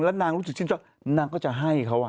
แล้วนางรู้สึกชื่นชอบนางก็จะให้เขา